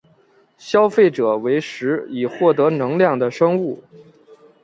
消费者为食以获得能量的生物。